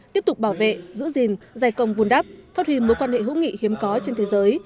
tiếp tục bảo vệ giữ gìn giải công vun đắp phát huy mối quan hệ hữu nghị hiếm có trên thế giới